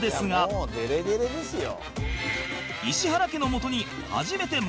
いやもうデレデレですよ。